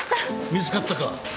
見つかったか。